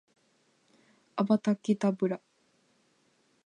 アバタケタブラ